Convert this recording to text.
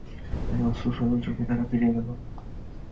তাই অশ্রুসজল চোখে তারা ফিরে গেল।